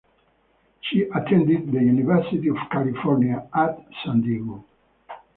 She attended the University of California at San Diego.